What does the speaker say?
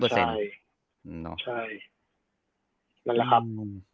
ใช่นั่นแหละครับ